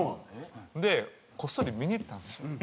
でこっそり見に行ったんですよ。